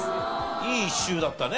いい１周だったね。